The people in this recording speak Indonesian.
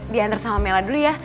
diantar sama mela dulu ya